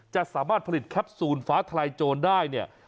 จะสามารถผลิตแคปซูลฟ้าทลายโจรได้เนี่ย